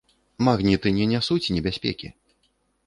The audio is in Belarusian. Магніты не нясуць небяспекі!